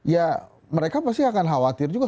ya mereka pasti akan khawatir juga